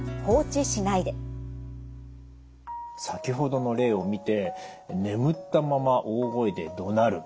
先ほどの例を見て眠ったまま大声でどなる。